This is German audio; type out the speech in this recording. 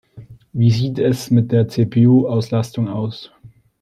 Wie sieht es mit der CPU-Auslastung aus?